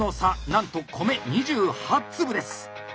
なんと米２８粒です！